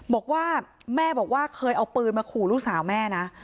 บอกว่าแม่บอกว่าเคยเอาปืนมาขู่ลูกสาวแม่นะ